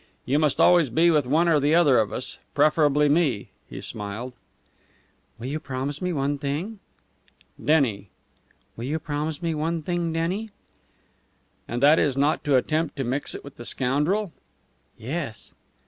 "You must always be with one or the other of us preferably me." He smiled. "Will you promise me one thing?" "Denny." "Will you promise me one thing, Denny?" "And that is not to attempt to mix it with the scoundrel?" "Yes."